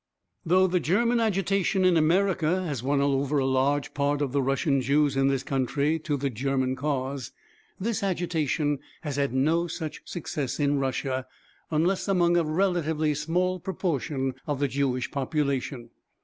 Though the German agitation in America has won over a large part of the Russian Jews in this country to the German cause, this agitation has had no such success in Russia, unless among a relatively small proportion of the Jewish population.